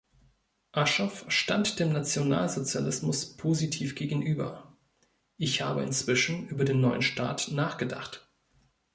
Aschoff stand dem Nationalsozialismus positiv gegenüber: "„Ich habe inzwischen über den neuen Staat nachgedacht.